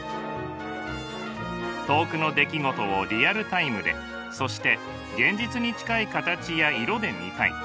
遠くの出来事をリアルタイムでそして現実に近い形や色で見たい。